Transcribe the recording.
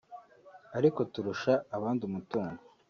aliko turusha abandi umutungo